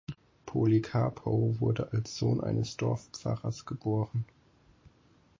Polikarpow wurde als Sohn eines Dorfpfarrers geboren.